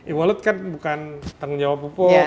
e wallet kan bukan tanggung jawab pupuk